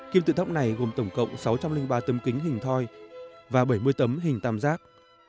kim tự tháp này gồm tổng cộng sáu trăm linh ba tấm kính hình thoi và bảy mươi tấm hình tam giác